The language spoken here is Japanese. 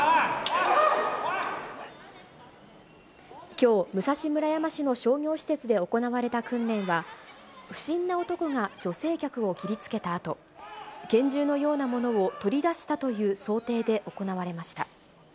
きょう、武蔵村山市の商業施設で行われた訓練は、不審な男が女性客を切りつけたあと、拳銃のようなものを取り出したという想定で行われました。